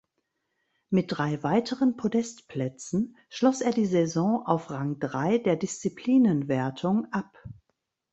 Mit drei weiteren Podestplätzen schloss er die Saison auf Rang drei der Disziplinenwertung ab.